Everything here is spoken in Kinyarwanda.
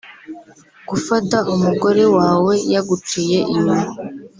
gufata umugore wawe yaguciye inyuma